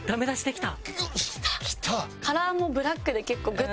きた！